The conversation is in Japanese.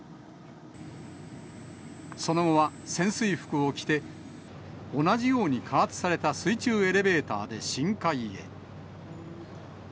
その後は潜水服を着て、同じように加圧された水中エレベーターで深海へ。